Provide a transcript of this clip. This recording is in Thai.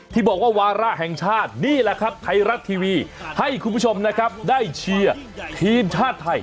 ที่บอกว่าวาระแห่งชาตินี่แหละครับไทยรัฐทีวีให้คุณผู้ชมนะครับได้เชียร์ทีมชาติไทย